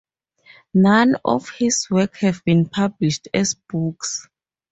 None of his works have been published as books.